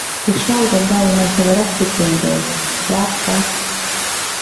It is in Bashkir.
— Кеше алдында уңайһыҙыраҡ бит инде ул. Бар, бар.